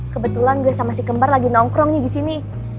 kebetulan gue sama si kembar lagi nongkrongnya disini